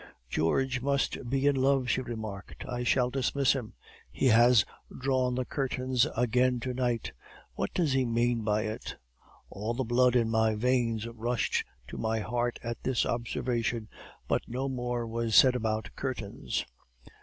"'George must be in love!' she remarked. 'I shall dismiss him. He has drawn the curtains again to night. What does he mean by it?' "All the blood in my veins rushed to my heart at this observation, but no more was said about curtains.